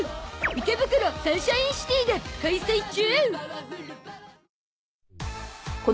池袋サンシャインシティで開催中